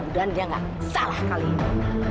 dan dia gak salah kali ini